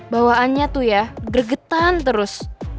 bawaannya tuh ya gregetan terus